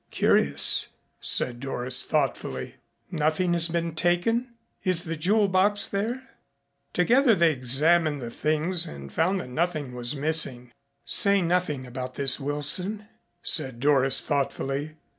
"Curious," said Doris thoughtfully. "Nothing has been taken? Is the jewel box there?" Together they examined the things and found that nothing was missing. "Say nothing about this, Wilson," said Doris thoughtfully.